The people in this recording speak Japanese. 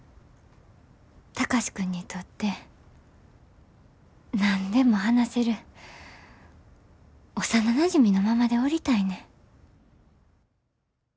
貴司君にとって何でも話せる幼なじみのままでおりたいねん。